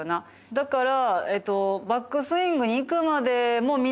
だから。